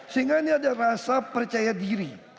sehingga ini ada rasa percaya diri